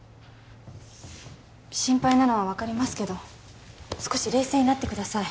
心配なのは分かりますけど少し冷静になってください